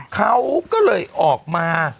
เขาก็เลยออกมา